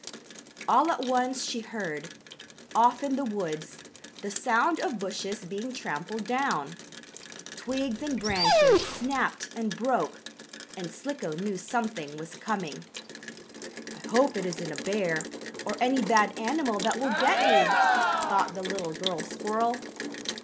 All at once she heard, off in the woods, the sound of bushes being trampled down. Twigs and branches snapped and broke, and Slicko knew something was coming. "I hope it isn't a bear, or any bad animal that will get me," thought the little girl squirrel.